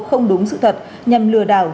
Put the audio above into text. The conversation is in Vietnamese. không đúng sự thật nhằm lừa đảo